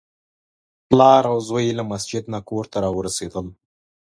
پلار او زوی له مسجد نه کور ته راورسېدل.